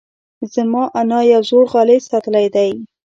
زما انا یو زوړ غالۍ ساتلی دی.